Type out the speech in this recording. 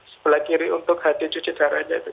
sebelah kiri untuk hadir cuci darahnya itu